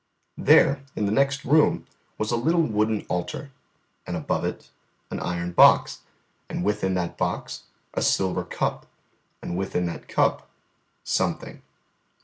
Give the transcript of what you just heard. There, in the next room, was a little wooden altar, and above it an iron box, and within that box a silver cup, and within that cup Something.